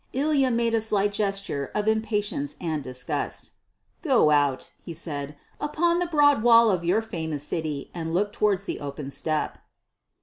Ilya made a slight gesture of impatience and disgust, "Go out," he said, "upon the broad wall of your famous city, and look towards the open steppe."